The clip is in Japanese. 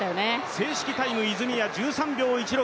正式タイム泉谷、１３秒１６。